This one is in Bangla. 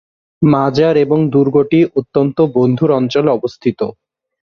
মাজার এবং দুর্গটি অত্যন্ত বন্ধুর অঞ্চলে অবস্থিত।